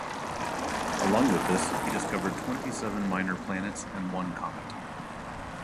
Along with this, he discovered twenty-seven minor planets and one comet.